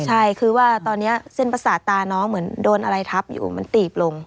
ใช่คือว่าตอนนี้เส้นประสาทตาน้องเหมือนโดนอะไรทับอยู่เหมือนตีบลง